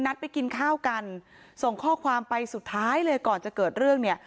ไปกินข้าวกันส่งข้อความไปสุดท้ายเลยก่อนจะเกิดเรื่องเนี่ย